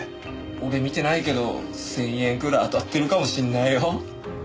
俺見てないけど１０００円ぐらい当たってるかもしれないよ？